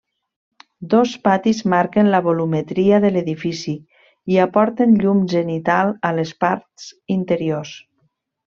Dos patis marquen la volumetria de l'edifici i aporten llum zenital a les parts interiors.